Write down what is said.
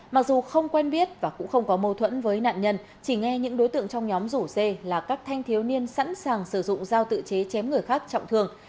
mặc dù không quen biết và cũng không có mâu thuẫn với nạn nhân chỉ nghe những đối tượng trong nhóm rủ xe là các thanh thiếu niên sẵn sàng sử dụng giao tự chế chém người khác trọng thường